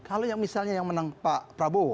kalau yang misalnya yang menang pak prabowo